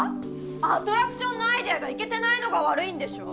アトラクションのアイデアがイケてないのが悪いんでしょ！？